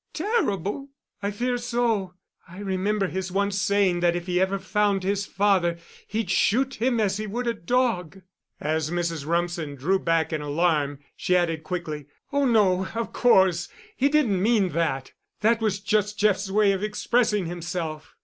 "Terrible?" "I fear so. I remember his once saying that if he ever found his father he'd shoot him as he would a dog." As Mrs. Rumsen drew back in alarm, she added quickly, "Oh, no, of course he didn't mean that. That was just Jeff's way of expressing himself."